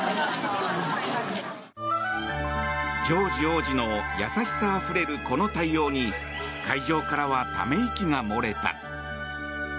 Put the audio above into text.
ジョージ王子の優しさあふれる、この対応に会場からは、ため息が漏れた。